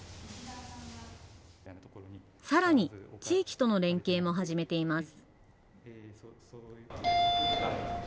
さらに、地域との連携も始めています。